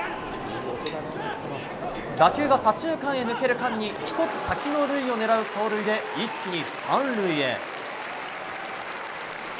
打球が左中間へ抜ける間に１つ先の塁を狙う走塁で一気に３塁へ。